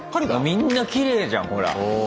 みんなきれいじゃんほら。